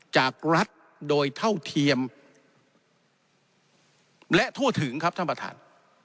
จากรัฐโดยเท่าเทียมและทั่วถึงครับท่านประธาน